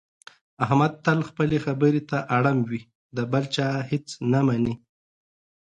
احمد تل خپلې خبرې ته اړم وي، د بل چا هېڅ نه مني.